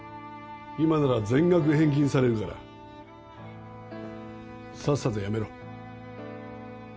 今なら全額返金されるからさっさとやめろ。